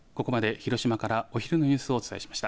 広島からお昼のニュースをお伝えしました。